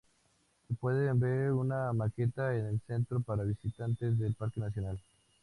Se puede ver una maqueta en el centro para visitantes del Parque Nacional.